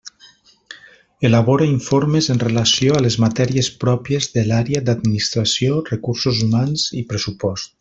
Elabora informes en relació a les matèries pròpies de l'àrea d'Administració, Recursos Humans i pressupost.